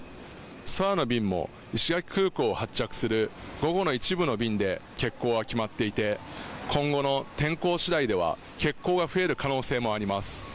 空の便派も石垣空港を発着する午後の一部の便で欠航は決まっていて、今後の天候しだいでは欠航が増える可能性もあります。